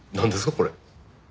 これ。